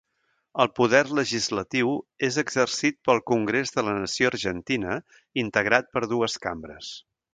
El poder legislatiu és exercit pel Congrés de la Nació Argentina, integrat per dues cambres.